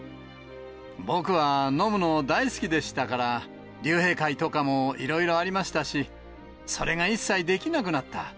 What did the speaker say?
僕は飲むの大好きでしたから、竜兵会とかもいろいろありましたし、それが一切できなくなった。